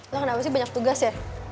lo kenapa sih banyak tugas ya